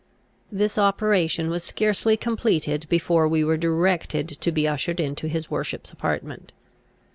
This operation was scarcely completed, before we were directed to be ushered into his worship's apartment.